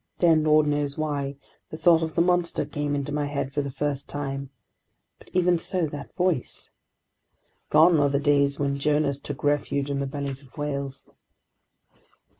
Then, lord knows why, the thought of the monster came into my head for the first time ...! But even so, that voice ...? Gone are the days when Jonahs took refuge in the bellies of whales!